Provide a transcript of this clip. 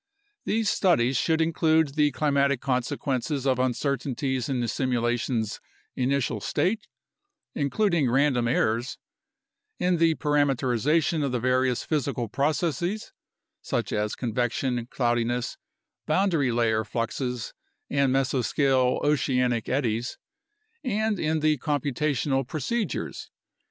These studies should include the climatic consequences of uncertainties in the simulations' initial state (including random errors), in the parameterization of the various physical processes (such as convection, cloudiness, boundary layer fluxes, and mesoscale oceanic eddies), and in the computational procedures.